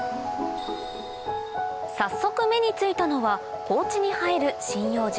早速目についたのは高地に生える針葉樹